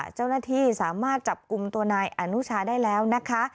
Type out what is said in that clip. เจ้าหน้าที่สามารถจับกลุ่มตัวนายอนุชาได้แล้วนะคะ